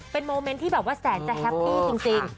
เป็นโมเมนต์ที่แสนจะแฮปปี้จริง